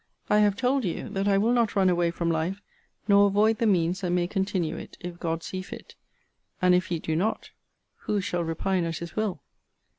I have told you, that I will not run away from life, nor avoid the means that may continue it, if God see fit: and if He do not, who shall repine at His will!